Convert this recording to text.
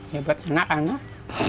ya buat anak anak